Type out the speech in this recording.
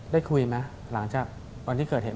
ได้คุยไหมหลังจากวันที่เกิดเหตุ